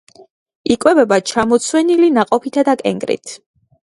იკვებება ჩამოცვენილი ნაყოფითა და კენკრით.